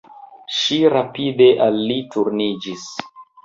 Ŝi rapide al li turniĝis.